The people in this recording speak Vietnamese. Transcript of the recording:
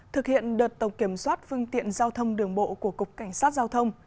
thực hiện đợt tổng kiểm soát phương tiện giao thông đường bộ của cục cảnh sát giao thông